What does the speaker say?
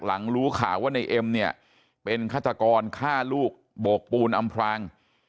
รู้ข่าวว่าในเอ็มเนี่ยเป็นฆาตกรฆ่าลูกโบกปูนอำพราง